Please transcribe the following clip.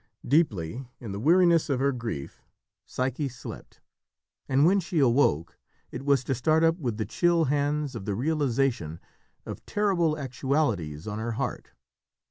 Deeply, in the weariness of her grief, Psyche slept, and when she awoke it was to start up with the chill hands of the realisation of terrible actualities on her heart.